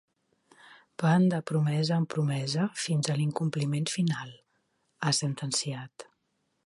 Van de promesa en promesa fins a l’incompliment final, ha sentenciat.